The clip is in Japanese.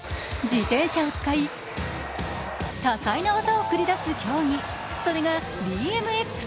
自転車を使い、多彩な技を繰り出す競技、それがＢＭＸ。